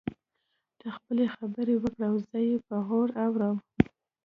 ته خپلې خبرې وکړه او زه يې په غور اورم.